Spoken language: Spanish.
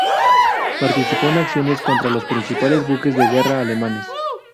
Participó en acciones contra los principales buques de guerra alemanes.